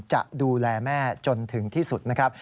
จะดูแลแม่จนถึงที่สุดนะครับ